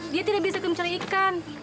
dia tidak bisa kemcari ikan